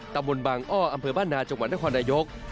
ตำบลบางอ้ออำเภอบ้านนาจังหวัดนครนายก